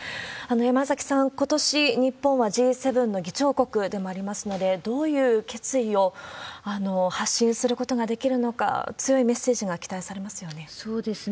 山崎さん、ことし、日本はＧ７の議長国でもありますので、どういう決意を発信することができるのか、強いメッセージが期待されますよね。